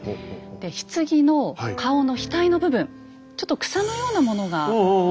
棺の顔の額の部分ちょっと草のようなものが見えますか？